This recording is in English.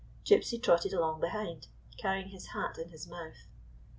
Gypsy trotted along behind, carrying his hat in his mouth.